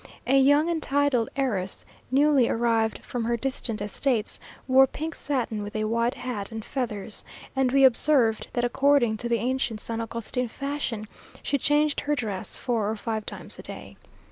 A young and titled heiress, newly arrived from her distant estates, wore pink satin with a white hat and feathers, and we observed, that according to the ancient San Agustin fashion, she changed her dress four or five times a day.